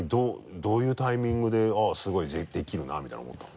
どういうタイミングで「あっすごいできるな」みたいに思ったの？